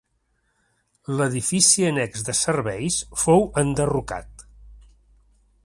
L'edifici annex de serveis fou enderrocat.